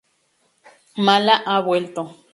Mala ha vuelto.